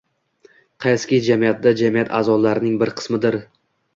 Qaysiki jamiyatda jamiyat aʼzolarining bir qismidir